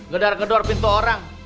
gedar gedor pintu orang